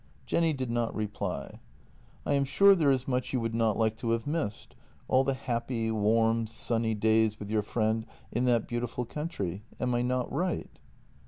Jenny did not reply. " I am sure there is much you would not like to have missed — all the happy, warm, sunny days with your friend in that beautiful country. Am I not right